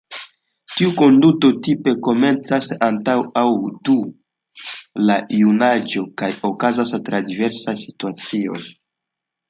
Tiu konduto tipe komencas antaŭ aŭ dum la junaĝo, kaj okazas tra diversaj situacioj.